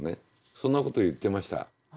そんなこと言ってました。